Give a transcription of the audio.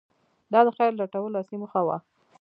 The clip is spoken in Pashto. • دا د خیر لټول اصلي موخه وه.